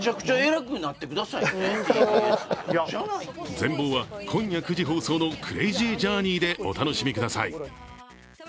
全貌は今夜９時放送の「クレイジージャーニー」でお楽しみください。